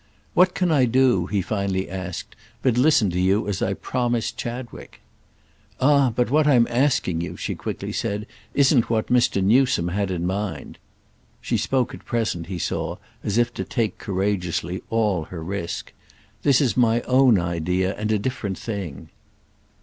"What can I do," he finally asked, "but listen to you as I promised Chadwick?" "Ah but what I'm asking you," she quickly said, "isn't what Mr. Newsome had in mind." She spoke at present, he saw, as if to take courageously all her risk. "This is my own idea and a different thing."